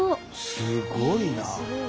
すごいなあ！